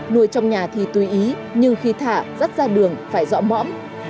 nuôi trong nhà thì tùy ý nhưng khi thả rắt ra đường phải dọa mõm